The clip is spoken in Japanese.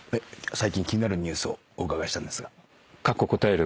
最近気になるニュースをお伺いしたんですが。